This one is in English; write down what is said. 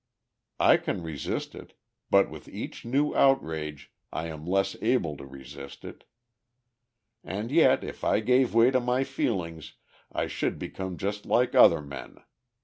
I can resist it, but with each new outrage I am less able to resist it. And yet if I gave way to my feelings I should become just like other men